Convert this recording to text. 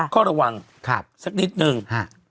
ก็ระวังสักนิดนึง